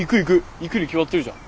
行くに決まってるじゃん。